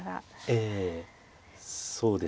ええそうですね